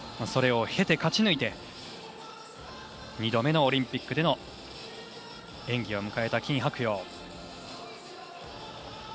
それを経て勝ち抜いて２度目のオリンピックでの演技を迎えた金博洋。